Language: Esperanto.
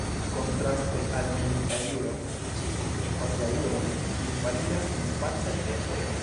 Kontraste al "milita juro" ĝi signifas la juron, kiu validas en pacaj tempoj.